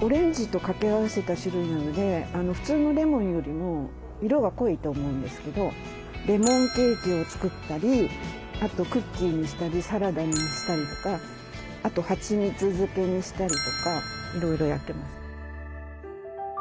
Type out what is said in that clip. オレンジと掛け合わせた種類なので普通のレモンよりも色が濃いと思うんですけどレモンケーキを作ったりあとクッキーにしたりサラダにしたりとかあとはちみつ漬けにしたりとかいろいろやってます。